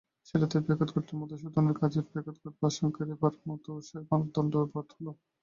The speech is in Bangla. সেটাতে ব্যাঘাত ঘটলে মধুসূদনের কাজেরই ব্যাঘাত ঘটবে আশঙ্কায় এবারকার মতো শ্যমার দণ্ড রদ হল।